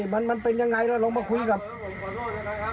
เออไม่มันมันเป็นยังไงแล้วลงมาคุยกับครับผมขอโทษนะครับ